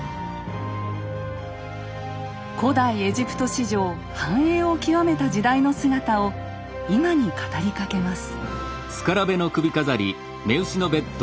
古代エジプト史上繁栄を極めた時代の姿を今に語りかけます。